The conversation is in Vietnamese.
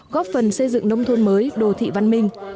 góp phần xây dựng nông thôn mới đồ thị văn minh